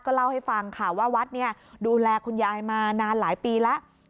เล่าให้ฟังค่ะว่าวัดดูแลคุณยายมานานหลายปีแล้ว